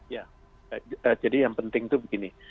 ya jadi yang penting itu begini